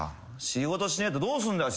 仕事しねえとどうすんだよ